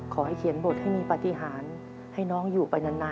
ขอให้เขียนบทให้มีปฏิหารให้น้องอยู่ไปนานได้ไหม